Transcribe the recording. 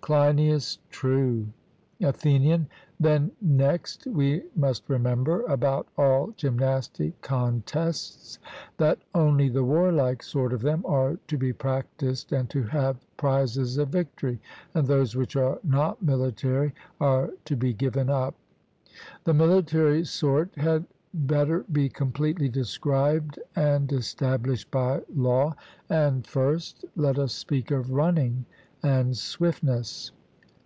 CLEINIAS: True. ATHENIAN: Then next we must remember, about all gymnastic contests, that only the warlike sort of them are to be practised and to have prizes of victory; and those which are not military are to be given up. The military sort had better be completely described and established by law; and first, let us speak of running and swiftness.